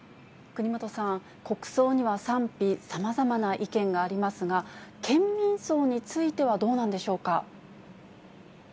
国葬には賛否、さまざまな意見がありますが、県民葬についてはどうなんでしょうか。